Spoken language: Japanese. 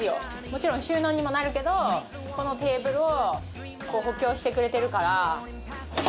もちろん収納にもなるけどこのテーブルを補強してくれてるから。